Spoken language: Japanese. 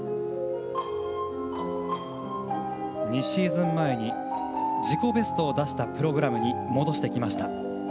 ２シーズン前に自己ベストを出したプログラムに戻してきました。